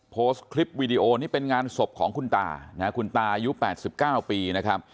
โพสต์คลิปวีดีโอนี่เป็นงานศพของคุณตาอยู่๘๙ปีนะครับ